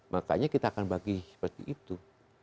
makanya kita akan bagi seperti itu